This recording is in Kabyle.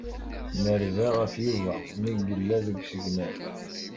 Nerza ɣef Yuba mi yella deg usegnaf.